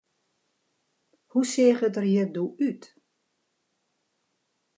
Hoe seach it der hjir doe út?